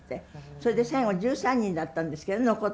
それで最後１３人だったんですけど残ったのはね。